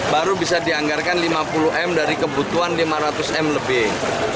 baru bisa dianggarkan lima puluh m dari kebutuhan lima ratus m lebih